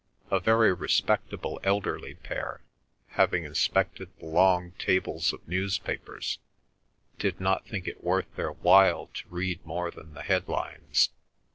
A very respectable elderly pair, having inspected the long tables of newspapers, did not think it worth their while to read more than the headlines.